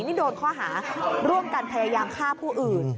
นี่โดนข้อหาร่วมกันพยายามฆ่าผู้อื่น